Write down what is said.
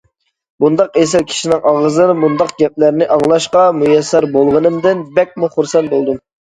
بۇنداق ئېسىل كىشىنىڭ ئاغزىدىن بۇنداق گەپلەرنى ئاڭلاشقا مۇيەسسەر بولغانلىقىمدىن بەكمۇ خۇرسەن بولدۇم.